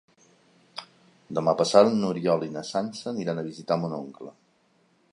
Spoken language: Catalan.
Demà passat n'Oriol i na Sança aniran a visitar mon oncle.